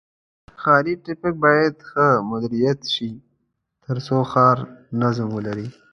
ښاري ترافیک باید ښه مدیریت شي تر څو ښار نظم ولري.